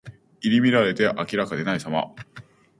入り乱れて明らかでないさま。